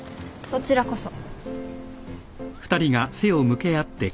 そちらこそ。